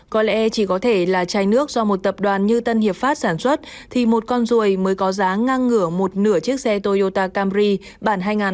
có lẽ chỉ có thể là chai nước do một tập đoàn như tân hiệp phát sản xuất thì một con ruồi mới có giá ngang ngửa một nửa chiếc xe toyota camry bản hai nghìn hai mươi ba